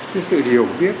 cái sự hiểu biết